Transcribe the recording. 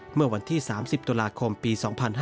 เมื่อวันที่๓๐ตุลาคมปี๒๕๕๙